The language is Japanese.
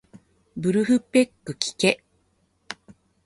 ブルフペックきけ